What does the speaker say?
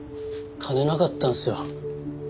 金なかったんですよ。